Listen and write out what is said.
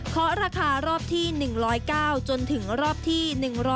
ราคารอบที่๑๐๙จนถึงรอบที่๑๐